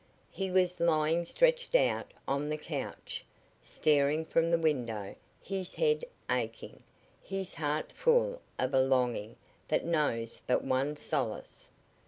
He was lying stretched out on the couch, staring from the window, his head aching; his heart full of a longing that knows but one solace.